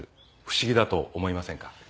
不思議だと思いませんか？